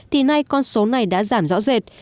thì nay con số này đã giảm rõ rệt